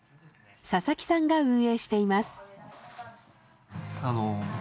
佐々木さんが運営しています。